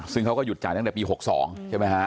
ซึ่งเขาก็หยุดจ่ายตั้งแต่ปี๖๒ใช่ไหมฮะ